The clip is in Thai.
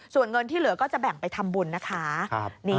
ส่วนเงินที่เหลือก็จะแบ่งไปทำบุญนะคะ